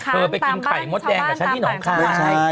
ไปกินไข่มดแดงกับฉันที่หนองคาย